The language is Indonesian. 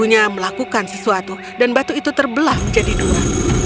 tubuhnya melakukan sesuatu dan batu itu terbelah menjadi dua